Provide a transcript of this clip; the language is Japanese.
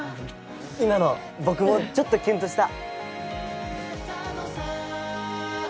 今の僕もちょっとキュンとした。